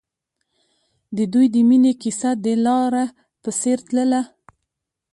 د دوی د مینې کیسه د لاره په څېر تلله.